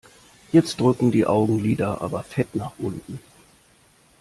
Jetzt drücken die Augenlider aber fett nach unten.